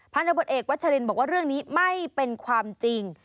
บทเอกวัชรินบอกว่าเรื่องนี้ไม่เป็นความจริง